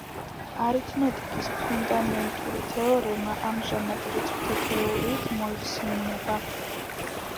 არითმეტიკის ფუნდამენტური თეორემა ამჟამად რიცხვთა თეორიით მოიხსენიება.